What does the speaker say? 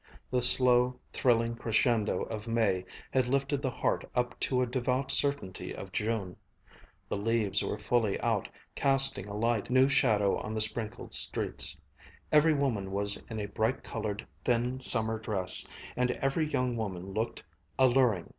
The slow, thrilling crescendo of May had lifted the heart up to a devout certainty of June. The leaves were fully out, casting a light, new shadow on the sprinkled streets. Every woman was in a bright colored, thin summer dress, and every young woman looked alluring.